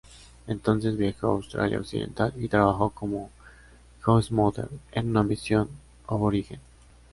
Entonces viajó a Australia Occidental y trabajó como "house mother" en una misión aborigen.